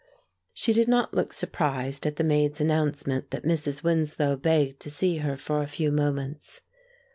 She did not look surprised at the maid's announcement that Mrs. Winslow begged to see her for a few moments.